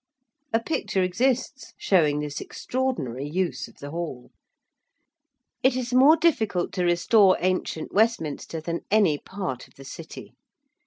A picture exists showing this extraordinary use of the Hall. It is more difficult to restore ancient Westminster than any part of the City.